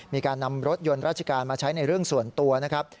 มีการนำรถยนต์ราชการมาใช้ในเรื่องส่วนตัวนะครับ